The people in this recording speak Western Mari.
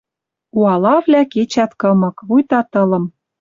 Уалавлӓ кечӓт кымык, вуйта тылым...